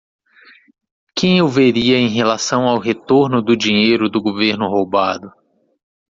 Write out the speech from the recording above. Quem eu veria em relação ao retorno do dinheiro do governo roubado?